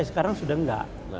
sekarang sudah enggak